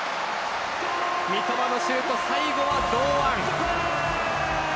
三笘のシュート、最後は堂安。